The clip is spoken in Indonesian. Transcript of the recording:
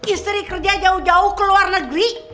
istri kerja jauh jauh ke luar negeri